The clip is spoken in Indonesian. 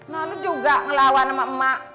nah lu juga ngelawan sama emak